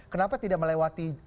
kenapa tidak melewati